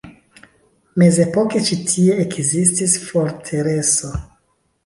Mezepoke ĉi tie ekzistis fortreso.